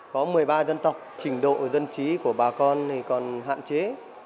có một mươi ba dân tộc trình độ dân trí của bà con còn hạn chế